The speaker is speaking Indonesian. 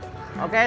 oke terima kasih